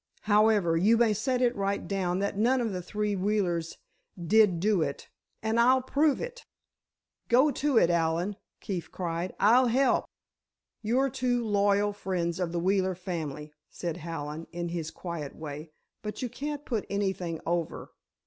However, you may set it right down that none of the three Wheelers did do it, and I'll prove it!" "Go to it, Allen," Keefe cried. "I'll help." "You're two loyal friends of the Wheeler family," said Hallen in his quiet way, "but you can't put anything over.